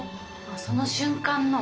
その瞬間の。